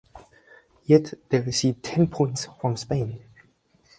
Yet they received ten points from Spain.